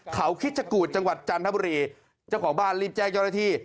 เขาคิดชะกูดจังหวัดจันทบุรีเจ้าของบ้านรีบแจ้งเจ้าหน้าที่